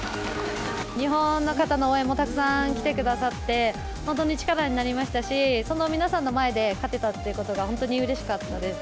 日本の方の応援もたくさん来てくださって、本当に力になりましたし、その皆さんの前で勝てたっていうことが、本当にうれしかったです。